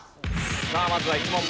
さあまずは１問目。